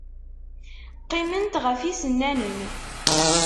Qqiment ɣef yisennanen.